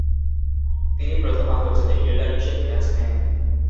তিনি প্রথম আন্তর্জাতিক ফিল্ডার হিসেবে ক্যাচ নেন।